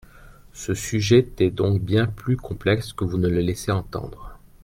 Ce sujet est donc bien plus complexe que vous ne le laissez entendre.